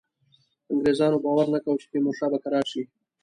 انګرېزانو باور نه کاوه چې تیمورشاه به کرار شي.